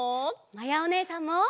まやおねえさんも！